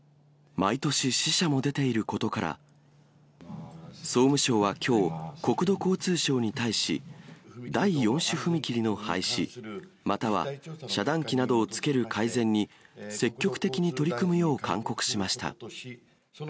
毎年死者も出ていることから、総務省はきょう、国土交通省に対し、第４種踏切の廃止、または遮断機などをつける改善に積極的に取り組むよう勧告しました。